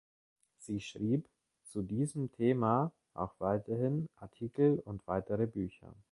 Sie schrieb zu diesem Thema auch weiterhin Artikel und weitere Bücher.